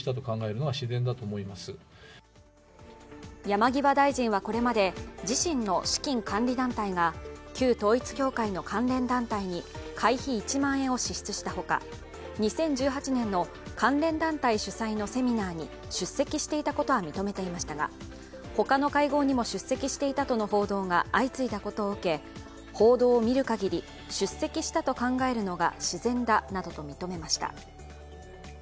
山際大臣はこれまで自身の資金管理団体が旧統一教会の関連団体に会費１万円を支出したほか２０１８年の関連団体主催のセミナーに出席していたことは認めていましたが他の会合にも出席していたとの報道が相次いだことを受け報道を見るかぎり出席したと考えるのが自然だなどと認めました。